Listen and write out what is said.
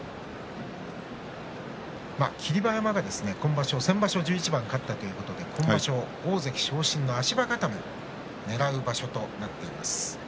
霧馬山が先場所１１番勝ったということで今場所、大関昇進の足場固めをねらう場所となっています。